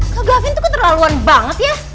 kak gavin tuh ke terlaluan banget ya